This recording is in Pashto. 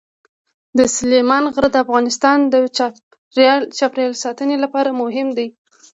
سلیمان غر د افغانستان د چاپیریال ساتنې لپاره مهم دي.